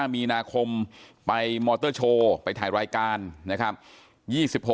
มีนาคมไปมอเตอร์โชว์ไปถ่ายรายการนะครับ